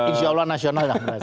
insya allah nasional lah